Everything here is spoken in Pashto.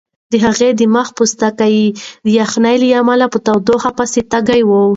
د هغې د مخ پوستکی د یخنۍ له امله په تودوخه پسې تږی و.